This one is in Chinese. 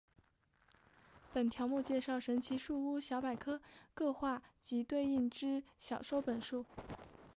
本条目介绍神奇树屋小百科各话及对应之小说本数。